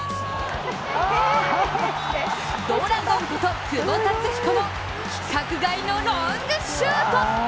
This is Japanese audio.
ドラゴンこと久保竜彦の規格外のロングシュート！